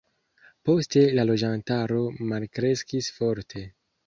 Poste la loĝantaro malkreskis forte.